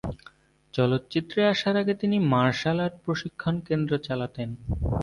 চলচ্চিত্রে আসার আগে তিনি মার্শাল আর্ট প্রশিক্ষণ কেন্দ্র চালাতেন।